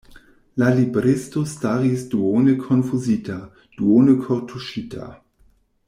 La libristo staris duone konfuzita, duone kortuŝita.